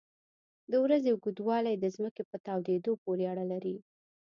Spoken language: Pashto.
د ورځې اوږدوالی د ځمکې په تاوېدو پورې اړه لري.